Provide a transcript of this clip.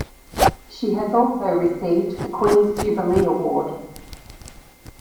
She also has received the Queen's Jubilee Award.